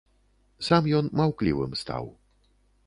Сам ён маўклівым стаў.